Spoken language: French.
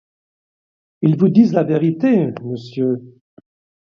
Ils vous disent la vérité, monsieur.